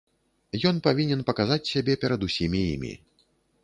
Ён павінен паказаць сябе перад усімі імі.